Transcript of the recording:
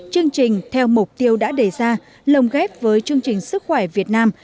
chương trình theo mục tiêu đã đề ra lồng ghép với chương trình sức khỏe việt nam